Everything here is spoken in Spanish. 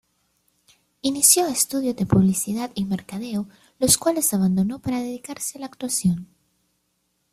Inició estudios de Publicidad y Mercadeo los cuales abandonó para dedicarse a la actuación.